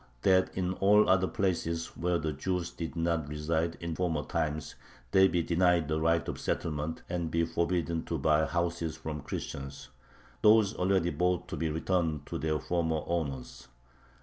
That in all other places where the Jews did not reside in former times they be denied the right of settlement, and be forbidden to buy houses from Christians, those already bought to be returned to their former owners.